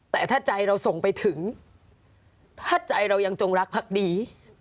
แต่ถ้าใจเราส่งไปถึงถ้าใจเรายังจงรักพักดี